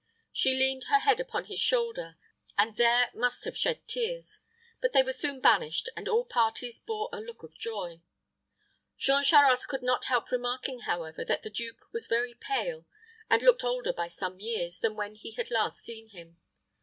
She leaned her head upon his shoulder, and there must have shed tears; but they were soon banished, and all parties bore a look of joy. Jean Charost could not help remarking, however, that the duke was very pale, and looked older by some years than when he had last seen him.